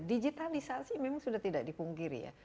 digitalisasi memang sudah tidak dipungkiri ya